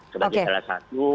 sebagai salah satu